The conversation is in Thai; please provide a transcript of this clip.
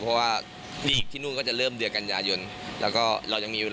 เพราะว่าทีนู่นก็จะเริ่มเรียกกันยายน